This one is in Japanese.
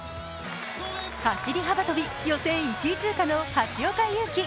走幅跳予選１位通過の橋岡優輝。